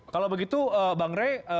kalau begitu bang rey